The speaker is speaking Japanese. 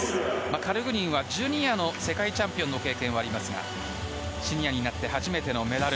カルグニンにはジュニアの世界チャンピオンの経験はありますがシニアになって初めてのメダル。